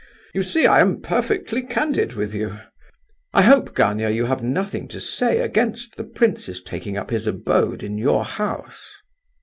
You see, I am perfectly candid with you. I hope, Gania, you have nothing to say against the prince's taking up his abode in your house?"